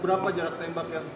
berapa jarak tembaknya